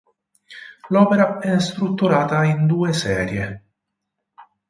L'opera è strutturata in due serie.